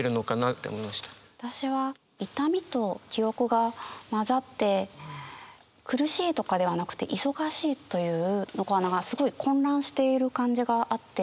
私は「痛みと記憶が混ざって」「苦しい」とかではなくて「忙しい」というすごい混乱している感じがあって。